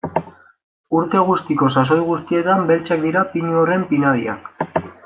Urte guztiko sasoi guztietan beltzak dira pinu horren pinadiak.